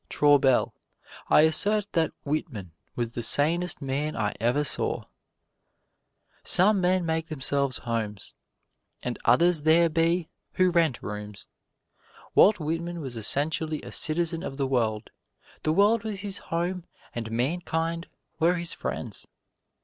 Traubel I assert that Whitman was the sanest man I ever saw. Some men make themselves homes; and others there be who rent rooms. Walt Whitman was essentially a citizen of the world: the world was his home and mankind were his friends.